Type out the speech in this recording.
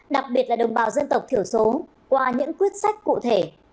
đặc biệt là đồng bào dân tộc thiểu số qua những quyết sách cụ thể